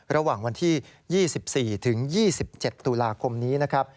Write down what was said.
ระหว่างวันที่๒๔ถึง๒๗ตุลาคมนี้นะครับ